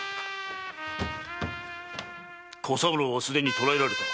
⁉小三郎は既に捕らえられた。